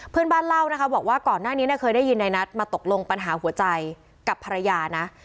เพื่อนบ้านเล่านะคะบอกว่าก่อนหน้านี้เคยได้ยินในนัดมาตกลงปัญหาหัวใจกับภรรยานะ